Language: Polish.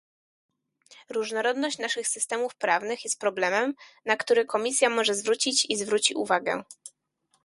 Różnorodność naszych systemów prawnych jest problemem, na który Komisja może zwrócić i zwróci uwagę